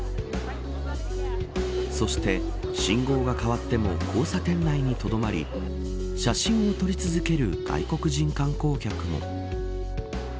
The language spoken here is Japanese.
そして、信号が変わっても交差点内にとどまり写真を撮り続ける外国人観光客も。